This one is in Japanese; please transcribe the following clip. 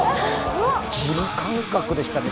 新感覚でしたね。